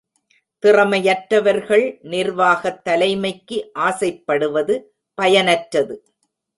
திறமையற்றவர்கள், நிர்வாகத் தலைமைக்கு ஆசைப்படுவது பயனற்றது.